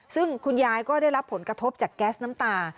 ซึ่งคุณยายก็ได้รับผลกระทบจากแก๊สน้ำตา